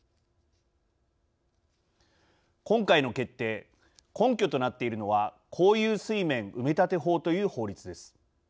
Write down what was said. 今回の決定根拠となっているのは公有水面埋立法という法律です。